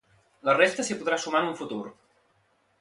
La resta s'hi podrà sumar en un futur.